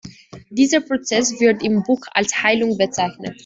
Dieser Prozess wird im Buch als Heilung bezeichnet.